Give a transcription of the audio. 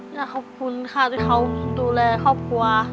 อยากขอบคุณค่ะที่เขาดูแลครอบครัว